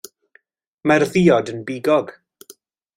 Mae'r ddiod yn bigog.